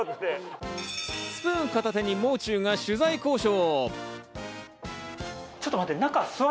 スプーン片手にもう中が取材交渉。